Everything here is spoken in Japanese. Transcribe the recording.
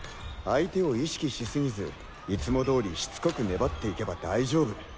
相手を意識し過ぎずいつも通りしつこく粘っていけば大丈夫。